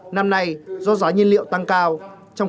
năm nay do giá nhiên liệu tăng cao